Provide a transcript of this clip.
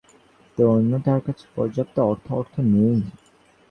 তিনি বলেন, জরিমানা পরিশোধের জন্য তাঁর কাছে পর্যাপ্ত অর্থ অর্থ নেই।